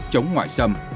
chống ngoại xâm